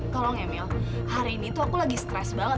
tolong ya mil hari ini aku lagi stres banget